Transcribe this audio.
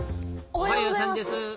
おはようさんです。